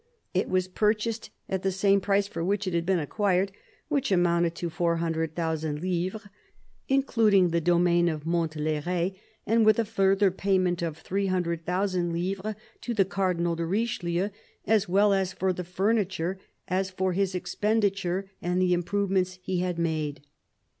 It was purchased at the same price for which it had been acquired, which amounted to 400,000 livres, including the domain of Montlh6ry ; and with a further payment of 300,000 livres to the Cardinal de Richelieu, as well for the furniture as for his expenditure and the improvements he had made."